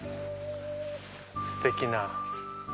ステキな。